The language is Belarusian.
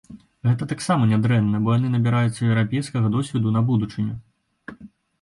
Гэта таксама нядрэнна, бо яны набіраюцца еўрапейскага досведу на будучыню.